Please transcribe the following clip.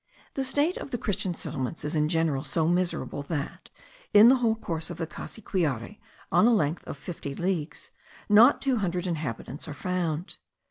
The state of the Christian settlements is in general so miserable that, in the whole course of the Cassiquiare, on a length of fifty leagues, not two hundred inhabitants are found.